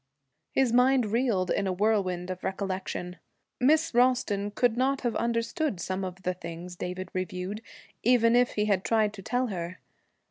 His mind reeled in a whirlwind of recollection. Miss Ralston could not have understood some of the things David reviewed, even if he had tried to tell her.